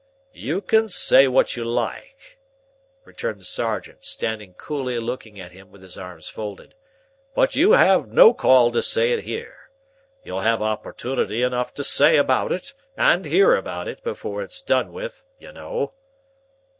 "You can say what you like," returned the sergeant, standing coolly looking at him with his arms folded, "but you have no call to say it here. You'll have opportunity enough to say about it, and hear about it, before it's done with, you know."